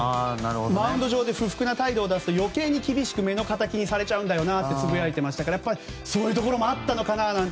マウンド上で不服な態度を出すと余計に厳しく目の敵にされちゃうんだよなとつぶやいてましたからそういうところもあったのかなと。